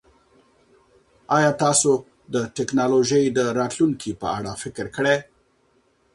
ایا تاسو د ټکنالوژۍ د راتلونکي په اړه فکر کړی؟